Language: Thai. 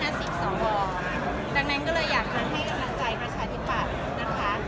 ดังนั้นก็เลยอยากจะให้กำลังใจประชาธิปัตย์นะคะ